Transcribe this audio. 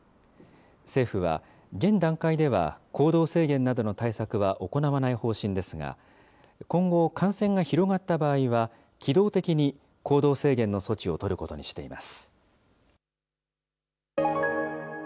政府は、現段階では行動制限などの対策は行わない方針ですが、今後、感染が広がった場合は、機動的に行動制限の措置を取ることにしています。